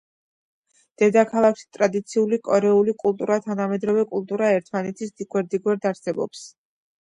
დედაქალაქში ტრადიციული კორეული კულტურა და თანამედროვე კულტურა ერთმანეთის გვერდიგვერდ არსებობს.